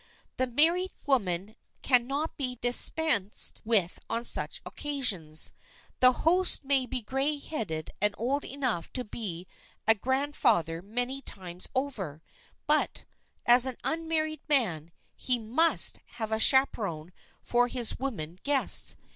The married woman can not be dispensed with on such occasions. The host may be gray headed and old enough to be a grandfather many times over, but, as an unmarried man, he must have a chaperon for his women guests.